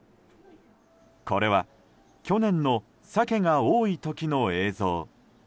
これは、去年のサケが多い時の映像。